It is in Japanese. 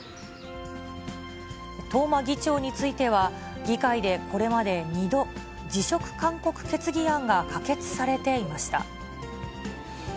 東間議長については、議会でこれまで２度、辞職勧告決議案が可決されていました。